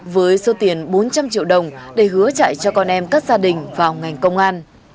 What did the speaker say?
với số tiền bốn trăm linh triệu đồng để hứa chạy cho con em các gia đình vào ngành công an